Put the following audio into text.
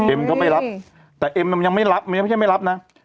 เอ็มก็ไม่รับแต่เอ็มมันยังไม่รับมันยังไม่รับนะ